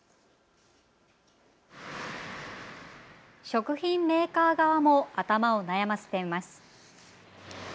食品メーカー側も頭を悩ませています。